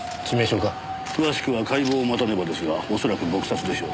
詳しくは解剖を待たねばですが恐らく撲殺でしょう。